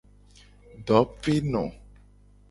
Dopeno.